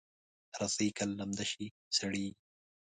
رسۍ که لمده شي، سړېږي.